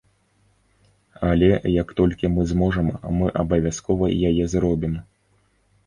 Але як толькі мы зможам, мы абавязкова яе зробім.